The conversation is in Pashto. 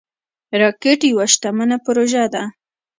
راکټ یوه شتمنه پروژه ده